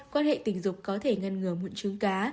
quan hệ tình dục có thể ngăn ngừa mụn trứng cá